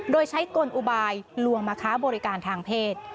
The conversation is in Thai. โดยใช้กลอุบายลวงมาค้าบริการทางเพศ